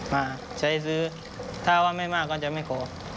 มาใช้ซื้อถ้าว่าไม่มากก็จะไม่ขอ